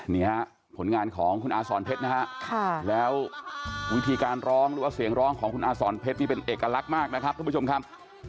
นี่ฮะผลงานของคุณอาสอนเพชรนะฮะแล้ววิธีการร้องหรือว่าเสียงร้องของคุณอาสอนเพชรนี่เป็นเอกลักษณ์มากนะครับทุกผู้ชมครับ